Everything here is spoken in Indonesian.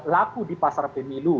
laku di pasar pemilu